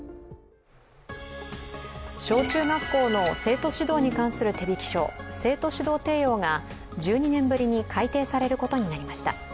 小中学校の生徒指導に関する手引き書、生徒指導提要が１２年ぶりに改訂されることになりました。